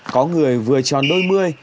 có người vừa tròn đôi mươi